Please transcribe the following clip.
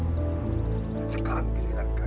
sekarang giliran kalian